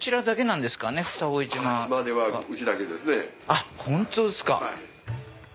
あっ本当ですか？